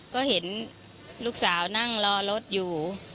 ก็เห็นลูกสาวนั่งรอรถอยู่